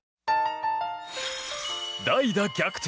代打逆転